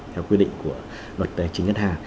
theo quy định của luật tế chính nhất hà